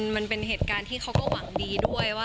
มันเป็นเหตุการณ์ที่เค้าหวังดีด้วย